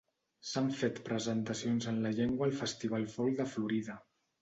S'han fet presentacions en la llengua al Festival Folk de Florida.